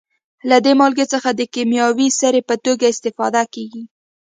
له دې مالګې څخه د کیمیاوي سرې په توګه استفاده کیږي.